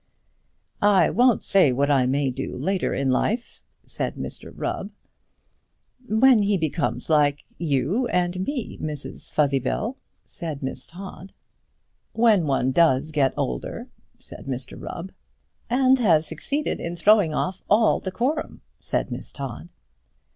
"I won't say what I may do later in life," said Mr Rubb. "When he becomes like you and me, Mrs Fuzzybell," said Miss Todd. "When one does get older," said Mr Rubb. "And has succeeded in throwing off all decorum," said Miss Todd.